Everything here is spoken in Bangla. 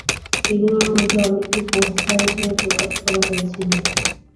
এগুলোর মধ্যে অনেককে পোস্টকার্ড হিসেবে প্রকাশ করা হয়েছিল।